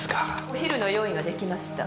お昼の用意ができました。